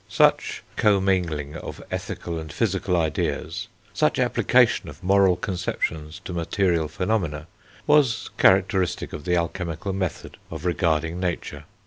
Such commingling of ethical and physical ideas, such application of moral conceptions to material phenomena, was characteristic of the alchemical method of regarding nature.